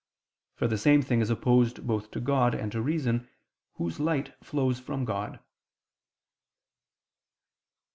For the same thing is opposed both to God and to reason, whose light flows from God.